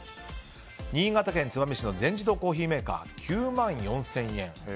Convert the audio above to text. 新潟県燕市の全自動コーヒーメーカーが９万４０００円。